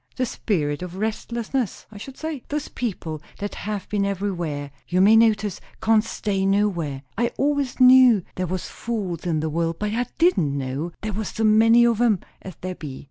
"The spirit of restlessness, I should say. Those people that have been everywhere, you may notice, can't stay nowhere. I always knew there was fools in the world, but I didn't know there was so many of 'em as there be.